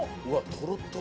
とろっとろ。